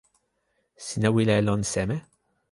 sina wile e lon seme?